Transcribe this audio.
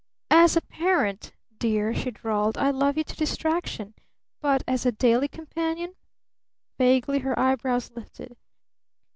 "As a parent, dear," she drawled, "I love you to distraction! But as a daily companion?" Vaguely her eyebrows lifted.